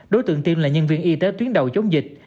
đối tượng tiêm là nhân viên y tế tuyến đầu chống dịch